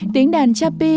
tiếng đàn chapi